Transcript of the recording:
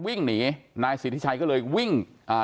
จนกระทั่งหลานชายที่ชื่อสิทธิชัยมั่นคงอายุ๒๙เนี่ยรู้ว่าแม่กลับบ้าน